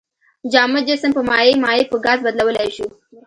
جامد جسم په مایع، مایع په ګاز بدلولی شو.